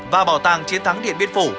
và bảo tàng chiến thắng điện biên phủ